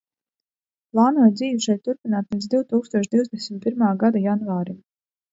Plānoju dzīvi šeit turpināt līdz divtūkstoš divdesmit pirmā gada janvārim.